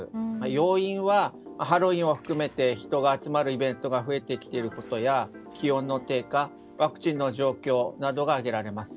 要因はハロウィーンを含めて人が集まるイベントが増えてきていることや気温の低下ワクチンの状況などが挙げられます。